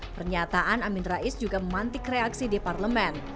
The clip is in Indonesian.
pernyataan amin rais juga memantik reaksi di parlemen